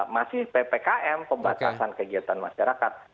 masih ppkm pembatasan kegiatan masyarakat